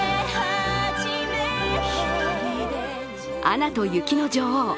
「アナと雪の女王」